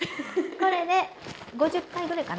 これで５０回ぐらいかな。